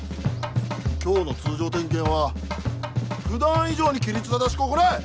今日の通常点検は普段以上に規律正しく行え！